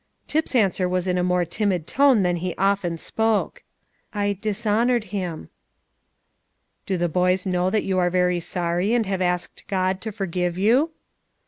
Tip's answer was in a more timid tone than he often spoke: "I dishonoured Him." "Do the boys know that you are very sorry, and have asked God to forgive you?"